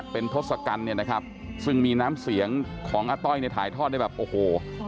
เป็นทศกัณฐ์เนี่ยนะครับซึ่งมีน้ำเสียงของอาต้อยเนี่ยถ่ายทอดได้แบบโอ้โห